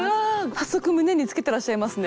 早速胸につけてらっしゃいますね。